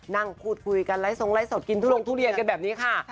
นั่งพูดคุยกันไร้ทรงไล่สดกินทุดงทุเรียนกันแบบนี้ค่ะ